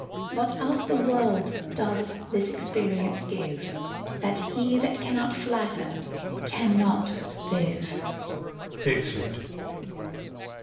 But us the world doth this experience give, That he that jcannoL flatter^ cannot live. [Exit.